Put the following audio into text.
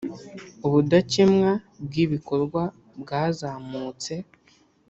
ubudakemwa bw’ibikorwa bwazamutse